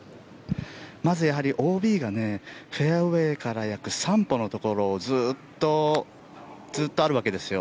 まず、やはりＯＢがフェアウェーから約３歩のところずっとあるわけですよ